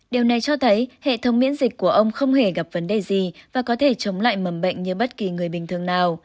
điều này cho thấy hệ thống miễn dịch của ông không hề gặp vấn đề gì và có thể chống lại mầm bệnh như bất kỳ người bình thường nào